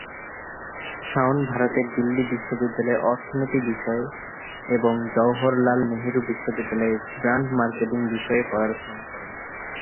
শাওন ভারতের দিল্লি বিশ্ববিদ্যালয়ে অর্থনীতি বিষয়ে এবং জওহরলাল নেহরু বিশ্ববিদ্যালয়ে ব্র্যান্ড মার্কেটিং বিষয়ে পড়াশোনা করেন।